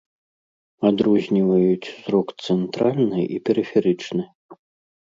Адрозніваюць зрок цэнтральны і перыферычны.